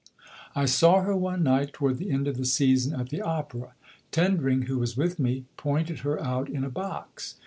I saw her one night toward the end of the season at the Opera. Tendring, who was with me, pointed her out in a box.